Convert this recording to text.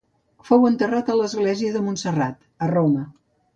Fou enterrat a l'església de Montserrat a Roma.